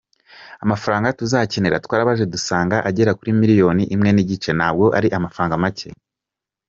Amafaranga tuzakenera twarabaze dusanga agera kuri miliyari imwe n’igice; ntabwo ari amafaranga make.